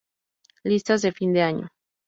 Listas de fin de año